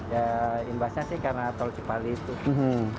ya imbasnya sih karena tol cipali itu